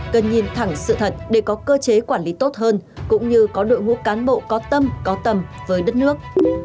cần nhìn thẳng sự thật để có cơ chế quản lý tốt hơn cũng như có đội ngũ cán bộ có tâm có tầm với đất nước